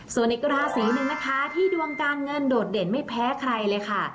ส่วนอีกราศีหนึ่งนะคะที่ดวงการเงินโดดเด่นไม่แพ้ใครเลยค่ะ